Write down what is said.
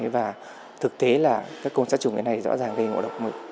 và thực tế là các cồn sát trùng này rõ ràng gây ngộ độc mực